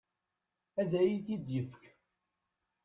Ad iyi-t-id-ifek.